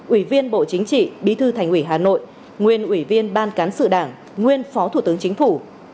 uỷ viên bộ chính trị bí thư thành uỷ hà nội nguyên uỷ viên ban cán sự đảng nguyên phó thủ tướng chính phủ